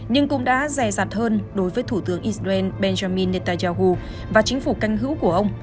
nhưng cũng đã rè rạt hơn đối với thủ tướng israel benjamin netanyahu và chính phủ canh hữu của ông